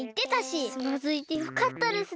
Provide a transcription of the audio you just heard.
つまずいてよかったですね。